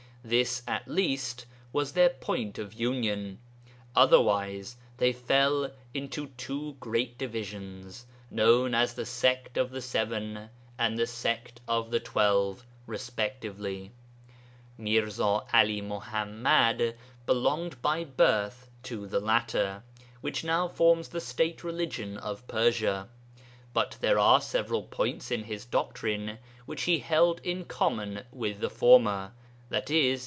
This at least was their point of union; otherwise they fell into two great divisions, known as the 'Sect of the Seven' and the 'Sect of the Twelve' respectively. Mirza Ali Muḥammad belonged by birth to the latter, which now forms the State religion of Persia, but there are several points in his doctrine which he held in common with the former (i.e.